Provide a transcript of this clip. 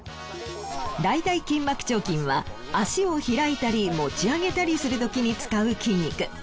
大腿筋膜張筋は脚を開いたり持ち上げたりするときに使う筋肉。